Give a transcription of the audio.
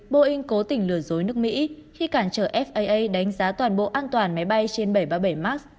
boeing cố tình lừa dối nước mỹ khi cản trở faa đánh giá toàn bộ an toàn máy bay trên bảy trăm ba mươi bảy max